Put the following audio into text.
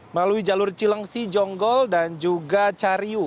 melalui jalur cilengsi jonggol dan juga cariu